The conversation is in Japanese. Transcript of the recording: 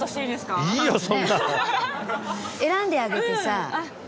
選んであげてさ。